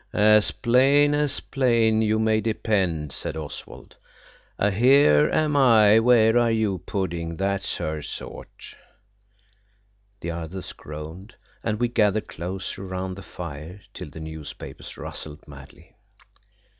"As plain as plain, you may depend," said Oswald. "A here am I where are you pudding–that's her sort." The others groaned, and we gathered closer round the fire till the newspapers rustled madly.